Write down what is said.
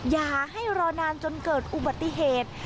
อย่าให้รอนานจนเกิดอุบัติเหตุ